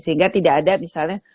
sehingga tidak ada misalnya